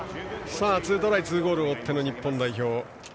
２トライ２ゴールを追っての日本代表。